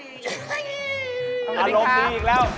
สวัสดีครับอารมณ์ดีอีกแล้ว